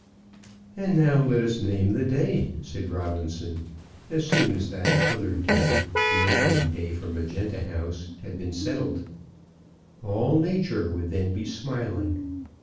"And now let us name the day," said Robinson, as soon as that other day, the opening day for Magenta House, had been settled. All nature would then be smiling.